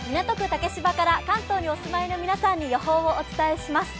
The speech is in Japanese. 竹芝から関東にお住まいの皆さんに予報をお伝えします。